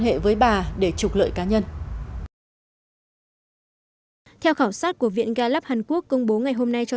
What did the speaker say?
hệ với bà để trục lợi cá nhân theo khảo sát của viện ga lắp hàn quốc công bố ngày hôm nay cho